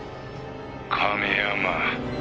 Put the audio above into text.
亀山！」